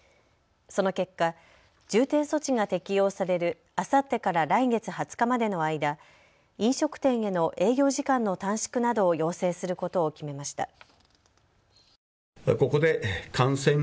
その結果、重点措置が適用されるあさってから来月２０日までの間、飲食店への営業時間の短縮などを要請することを決めました。